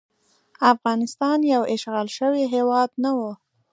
افغانستان یو اشغال شوی هیواد نه وو.